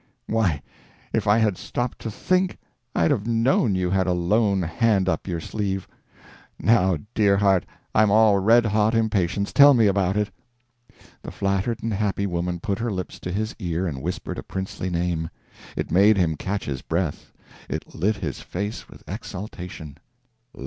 _ Why, if I had stopped to think, I'd have known you had a lone hand up your sleeve. Now, dear heart, I'm all red hot impatience tell me about it!" The flattered and happy woman put her lips to his ear and whispered a princely name. It made him catch his breath, it lit his face with exultation.